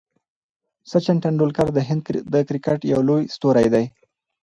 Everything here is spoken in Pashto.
سچن ټندولکر د هند د کرکټ یو لوی ستوری دئ.